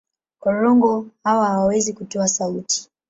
Korongo hawa hawawezi kutoa sauti.